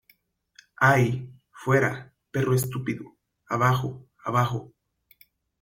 ¡ Ay !¡ fuera , perro estúpido !¡ abajo !¡ abajo !